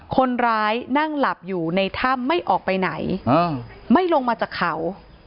คนร้ายนั่งหลับอยู่ในถ้ำไม่ออกไปไหนไม่ลงมาจากเขา